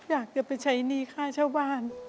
อยากจะไปใช้หนี้ค่าเช่าบ้าน